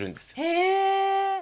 へえ。